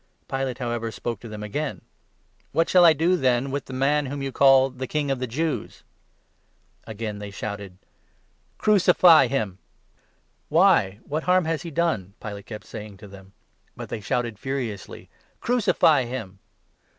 Pilate, 12 however, spoke to them again : "What shall I do then with the man whom you call the ' King of the Jews '?" Again they shouted :" Crucify him !" 13 " Why, what harm has he done? " Pilate kept saying to them. 14 But they shouted furiously :" Crucify him